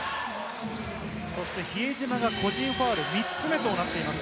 比江島が個人ファウル３つ目となっています。